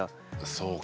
そうか。